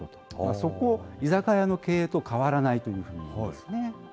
そこは居酒屋の経営と変わらないというふうにいいますね。